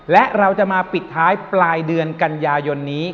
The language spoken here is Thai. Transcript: และเราจะมาปิดท้ายปลายเดือนกันยายนนี้